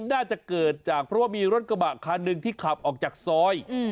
น่าจะเกิดจากเพราะว่ามีรถกระบะคันหนึ่งที่ขับออกจากซอย